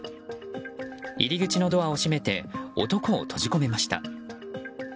入り口のドアを閉めて男を閉じ込めました。